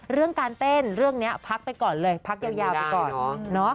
เรื่องการเต้นเรื่องนี้พักไปก่อนเลยพักยาวไปก่อน